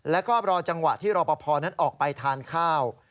แล้วก็รอจังหวะที่รอปภนั้นออกไปทานข้าว